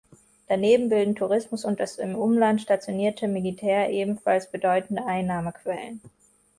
Daneben bilden Tourismus und das im Umland stationierte Militär ebenfalls bedeutende Einnahmequellen.